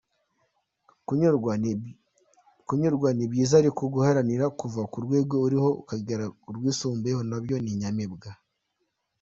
Kunyurwa ni byiza ariko guharanira kuva ku rwego uriho ukagera kurwisumbuyeho nabyo ni inyamibwa.